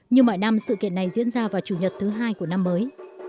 như mọi năm sự kiện này diễn ra vào chủ nhật thứ hai của năm mới